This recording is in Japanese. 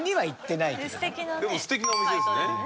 でも素敵なお店ですね。